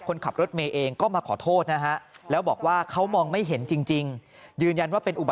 คนขับรถเมล์เองก็มาขอโทษนะฮะ